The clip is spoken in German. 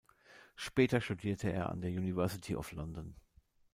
Später studierte er an der University of London.